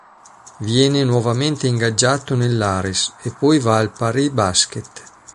Viene nuovamente ingaggiato nell'Aris e poi va al Paris Basket.